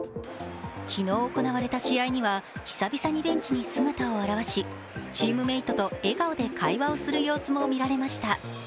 昨日行われた試合には久々にベンチに姿を現しチームメートと笑顔で会話をする様子も見られました。